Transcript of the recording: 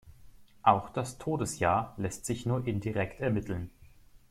Auch das Todesjahr lässt sich nur indirekt ermitteln.